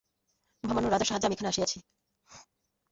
মহামান্য মহারাজের সাহায্যে আমি এখানে আসিয়াছি।